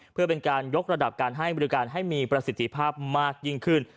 เพื่อเป็นการยกระดับการให้บริการให้มีประสิทธิภาพมากยิ่งขึ้น